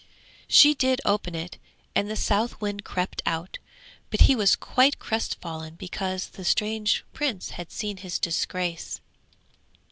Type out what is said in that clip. She did open it and the Southwind crept out, but he was quite crestfallen because the strange Prince had seen his disgrace.